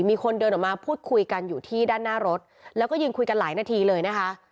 มีคนเดินออกมาพูดคุยกันอยู่ที่ด้านหน้ารถแล้วก็ยืนคุยกันหลายนาทีเลยนะคะ